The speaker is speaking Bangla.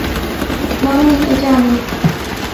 মামুনি, এটা আমি।